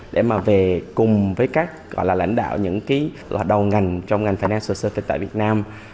để mà về cùng với các gọi là lãnh đạo những cái là đầu ngành trong ngành financial service tại việt nam